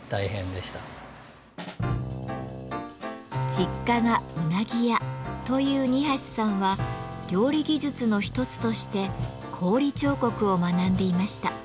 実家がうなぎ屋という二さんは料理技術の一つとして氷彫刻を学んでいました。